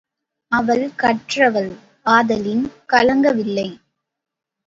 அவள் கற்றவள் ஆதலின் கலங்கவில்லை.